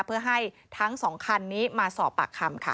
เพื่อให้ทั้งสองคันนี้มาสอบปากคำค่ะ